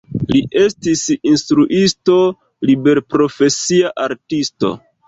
Li estis instruisto, liberprofesia artisto.